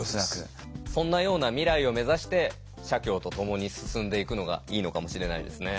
そんなような未来を目指して社協と共に進んでいくのがいいのかもしれないですね。